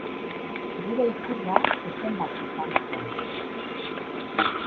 Bere ikurra zezen bat izan zen.